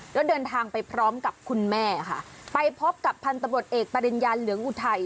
แล้วเดินทางไปพร้อมกับคุณแม่ค่ะไปพบกับพันธบทเอกปริญญาเหลืองอุทัย